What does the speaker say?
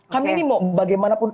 kami ini mau bagaimanapun